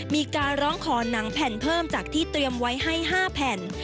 มีการร้องขอหนังแผ่นเพิ่มจากที่เตรียมไว้ให้๕แผ่น